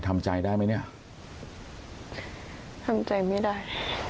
ทำใจได้ไหมเนี่ยทำใจไม่ได้